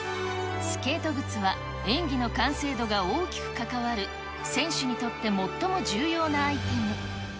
スケート靴は演技の完成度が大きく関わる選手にとって最も重要なアイテム。